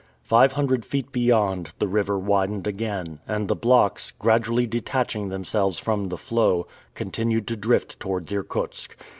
Five hundred feet beyond, the river widened again, and the blocks, gradually detaching themselves from the floe, continued to drift towards Irkutsk.